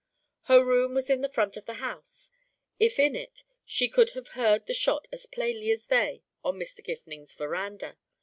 Her room was in the front of the house; if in it, she could have heard the shot as plainly as they on Mr. Gifning's veranda.